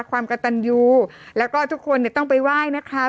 ความกระตันยูแล้วก็ทุกคนเนี่ยต้องไปไหว้นะคะ